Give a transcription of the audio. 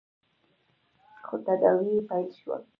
خو تداوې يې پیل شول.